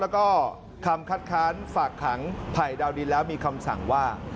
แล้วก็คำคัดค้านฝากขังไผ่ดาวดินแล้วมีคำสั่งว่า